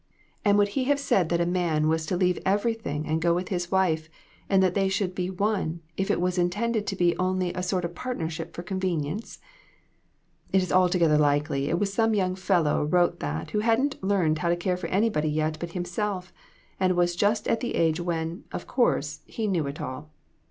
And would he have said that a man was to leave everything and go with his wife, and that they should be one, if it was intended to be only a sort of partnership for convenience? It is altogether likely it was some young fellow wrote that who hadn't learned how to care for anybody yet but himself, and was just at the age when, of course, he knew it all.